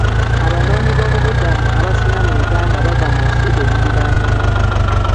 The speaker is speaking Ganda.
Abanoonyiboobubudamu abasinga mu Uganda bava mu nsi eziriraanyeewo.